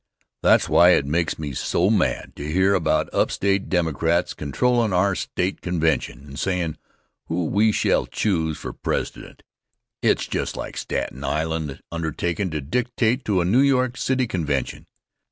That's why it makes me mad to hear about upstate Democrats controllin' our State convention, and sayin' who we shall choose for President. It's just like Staten Island undertakin' to dictate to a New York City convention.